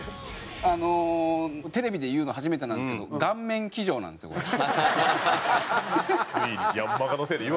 あのテレビで言うの初めてなんですけど顔面騎乗なんですよこれ。